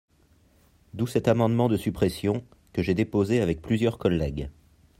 D’où cet amendement de suppression, que j’ai déposé avec plusieurs collègues.